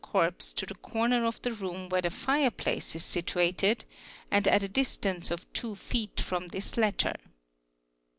corpse to the corner of the room where the fire place is situated and ata distance of two feet from this latter."